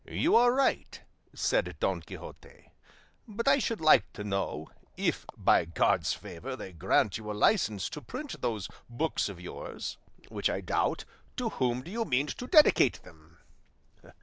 "You are right," said Don Quixote; "but I should like to know, if by God's favour they grant you a licence to print those books of yours which I doubt to whom do you mean to dedicate them?"